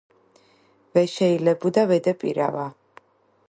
ვეშეილებუ-და ვედეპირავა